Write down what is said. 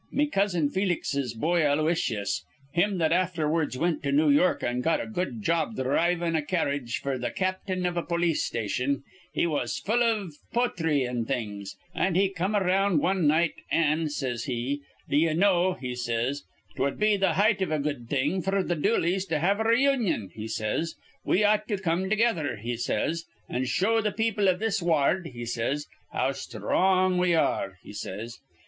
Me cousin Felix's boy Aloysius, him that aftherwards wint to New York an' got a good job dhrivin' a carredge f'r th' captain iv a polis station, he was full iv pothry an' things; an' he come around wan night, an' says he, 'D'ye know,' he says, ''twud be th' hite iv a good thing f'r th' Dooleys to have a reunion,' he says. 'We ought to come together,' he says, 'an' show the people iv this ward,' he says, 'how sthrong we are,' he says.